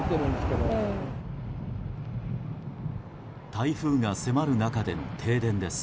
台風が迫る中での停電です。